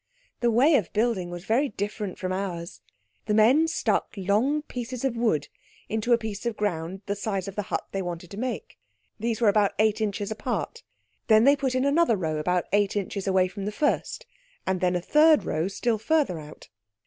The way of building was very different from ours. The men stuck long pieces of wood into a piece of ground the size of the hut they wanted to make. These were about eight inches apart; then they put in another row about eight inches away from the first, and then a third row still further out.